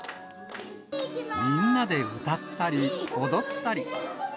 みんなで歌ったり、踊ったり。